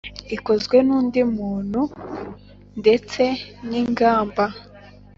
Ikozwe n undi muntu ndetse n ingamba